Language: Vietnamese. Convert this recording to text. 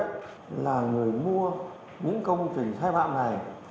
nhất là người mua những công trình sai phạm này